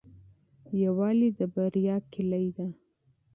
اتحاد د بریا کیلي ده.